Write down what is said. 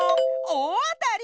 おおあたり！